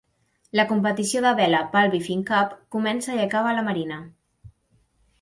La competició de vela Palby Fyn Cup comença i acaba a la marina.